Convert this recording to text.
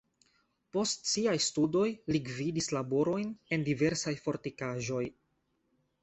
Post siaj studoj li gvidis laborojn en diversaj fortikaĵoj.